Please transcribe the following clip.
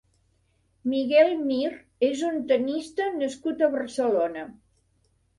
Miguel Mir és un tennista nascut a Barcelona.